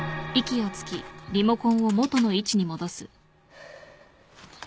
ハァ。